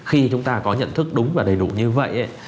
khi chúng ta có nhận thức đúng và đầy đủ như vậy